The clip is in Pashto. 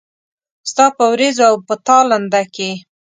ستا په ورېځو او په تالنده کې